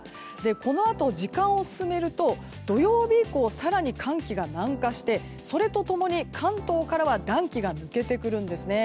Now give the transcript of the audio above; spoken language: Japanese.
このあと、時間を進めると土曜日以降、更に寒気が南下して、それと共に関東からは暖気が抜けてくるんですね。